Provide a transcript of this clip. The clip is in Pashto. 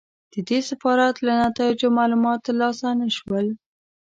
د دې سفارت له نتایجو معلومات ترلاسه نه شول.